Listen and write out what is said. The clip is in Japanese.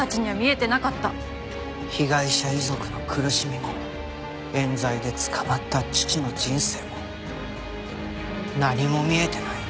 被害者遺族の苦しみも冤罪で捕まった父の人生も何も見えてない。